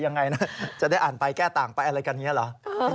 อย่างไรนะจะได้อ่านไปแก้ต่างไปอะไรกันนี้หรือ